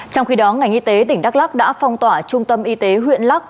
trong khi đó ngành y tế tp hcm đã phong tỏa trung tâm y tế huyện lắc